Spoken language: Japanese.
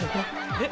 えっ！